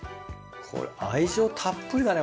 これ愛情たっぷりだね